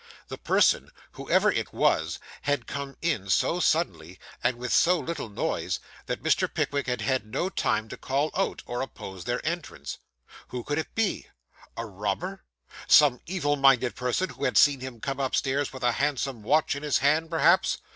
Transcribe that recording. The person, whoever it was, had come in so suddenly and with so little noise, that Mr. Pickwick had had no time to call out, or oppose their entrance. Who could it be? A robber? Some evil minded person who had seen him come upstairs with a handsome watch in his hand, perhaps.